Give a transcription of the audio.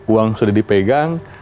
uang sudah dipegang